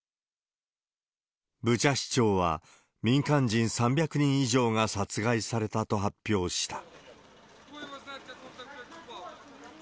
ブチャ市長は、民間人３００人以上が殺害されたと発表した。